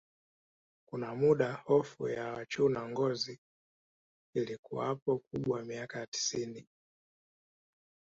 Kuna muda hofu ya wachuna ngozi ilikuwapo kubwa miaka ya tisini